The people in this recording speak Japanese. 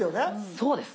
そうです。